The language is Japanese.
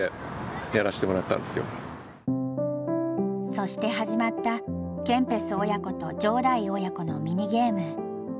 そして始まったケンペス親子と城台親子のミニゲーム。